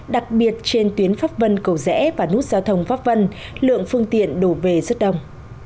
đặc biệt trên tuyến pháp vân cầu rẽ và nút giao thông pháp vân lượng phương tiện đổ về rất đông